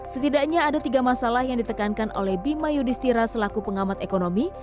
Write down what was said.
setidaknya ada tiga masalah yang ditekankan oleh bima yudhistira selaku pengamat ekonomi